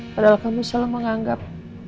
padahal kamu salah menganggap